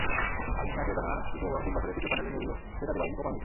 আর্জেন্টিনাকে টানা তিন বছরে তৃতীয় ফাইনালে নিয়ে গেলেও জেতাতে পারেননি কোপা আমেরিকা।